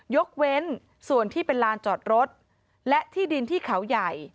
ยกเว้นส่วนที่เป็นลานจอดรถและที่ดินที่เขาใหญ่